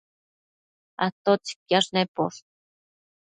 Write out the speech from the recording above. ¿atotsi quiash neposh?